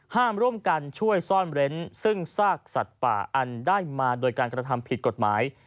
ห้ามร่วมกันช่วยซ่อนเร้นซึ่งซากสัตว์ป่าอันได้มาโดยการกระทำผิดกฎหมาย